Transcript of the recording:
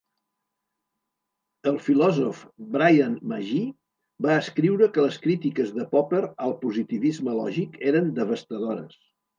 El filòsof Bryan Magee va escriure que les crítiques de Popper al positivisme lògic eren "devastadores".